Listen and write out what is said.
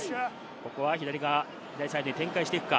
ここは左サイドに展開していくか。